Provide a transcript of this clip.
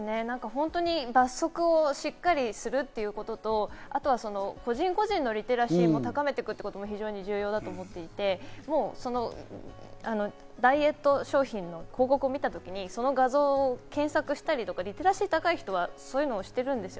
本当に罰則をしっかりするということと、個人個人のリテラシーも高めていくということも非常に重要だと思っていて、ダイエット商品の広告を見たときにその画像を検索したりとかリテラシーが高い人は、そういうことをしているんです。